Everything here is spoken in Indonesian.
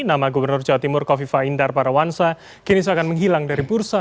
nama gubernur jawa timur kofifa indar parawansa kini seakan menghilang dari bursa